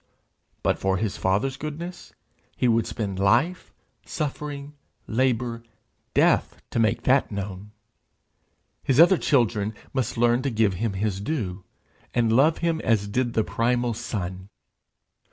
But for his Father's goodness, he would spend life, suffering, labour, death, to make that known! His other children must learn to give him his due, and love him as did the primal Son!